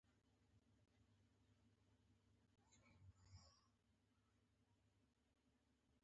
خور تل د حق لاره نیسي.